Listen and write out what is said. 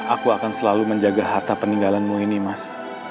aku akan selalu menjaga harta peninggalanmu ini mas